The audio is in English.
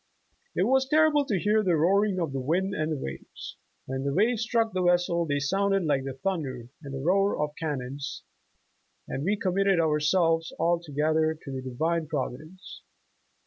"It was terrible to hear the roaring of the wind and the waves. When the waves struck the vessel, they sounded like the thunder and roar of cannons, and wa committed ourselves altogether to the Divine Provi dence.